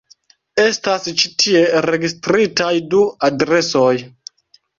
Estas ĉi tie registritaj du adresoj.